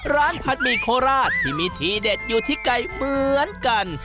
ผัดหมี่โคราชที่มีทีเด็ดอยู่ที่ไก่เหมือนกัน